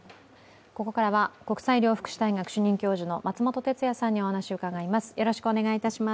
ここからは国際医療福祉大学主任教授の松本哲哉さんにお話伺います。